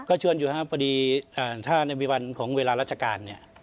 ก็ชวนอยู่ครับพอดีถ้าในวันของเวลาราชการเนี่ย